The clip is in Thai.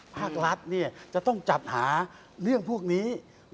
ภาครัฐจะต้องจัดหาเรื่องพวกนี้